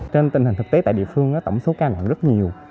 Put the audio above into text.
trên tình hình thực tế tại địa phương tổng số ca nặng rất nhiều